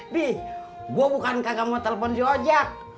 di gue bukan kagak mau telepon sojak